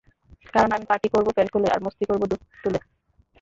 কারণ, আমি পার্টি করব প্যান্ট খুলে, আর মস্তি করবো ধোন তুলে।